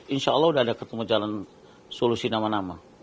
insya allah sudah ada ketemu jalan solusi nama nama